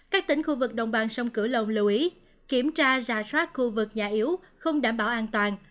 các tỉnh khu vực đồng bằng sông cửu long lưu ý kiểm tra rà soát khu vực nhà yếu không đảm bảo an toàn